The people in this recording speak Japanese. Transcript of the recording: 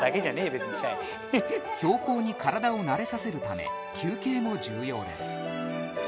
別にチャイ標高に体を慣れさせるため休憩も重要です